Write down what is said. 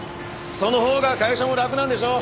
そのほうが会社も楽なんでしょ。